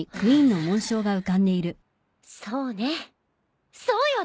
そうねそうよね。